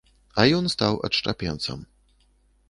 А ён стаў адшчапенцам.